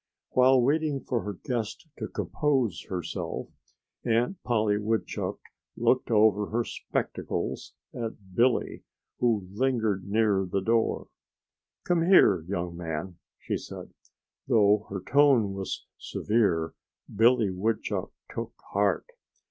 While waiting for her guest to compose herself, Aunt Polly Woodchuck looked over her spectacles at Billy, who lingered near the door. "Come here, young man!" she said. Though her tone was severe, Billy Woodchuck took heart.